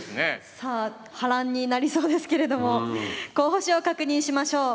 さあ波乱になりそうですけれども候補手を確認しましょう。